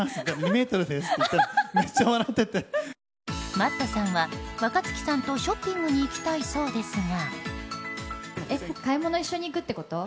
Ｍａｔｔさんは若槻さんとショッピングに行きたいそうですが。